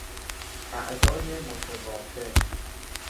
اعداد متوافق